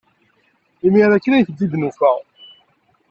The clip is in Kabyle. Imir-a kan ay tent-id-nufa.